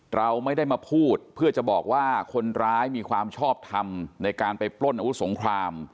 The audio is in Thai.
เราไม่ได้มาพูดเพื่อจะบอกว่าคนร้ายมีความชอบทำในการไปปล้นอาวุธสงคราม